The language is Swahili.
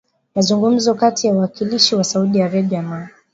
mazungumzo kati ya wawakilishi wa Saudi Arabia na